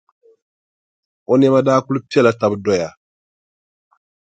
O nɛma daa kuli pela taba doya.